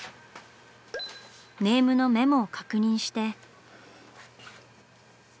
ネームのメモを確認して。